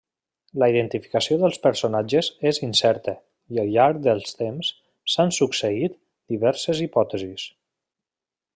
La identificació dels personatges és incerta i al llarg del temps s'han succeït diverses hipòtesis.